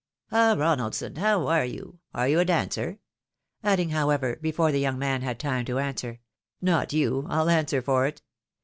" Ah ! Ronaldson ! how are you ? are you a dancer ?" adding, however, before the young man had time to answer, " not you, I'll answer for it.